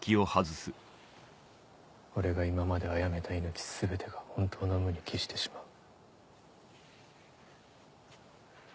俺が今まで殺めた命全てが本当の無に帰してしまう。